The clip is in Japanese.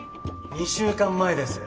２週間前です